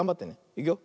いくよ。